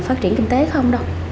phát triển kinh tế không đâu